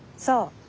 そう。